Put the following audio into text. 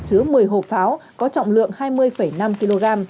chứa một mươi hộp pháo có trọng lượng hai mươi năm kg